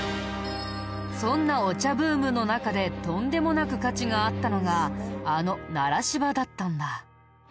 そんなお茶ブームの中でとんでもなく価値があったのがあの柴だったんだ。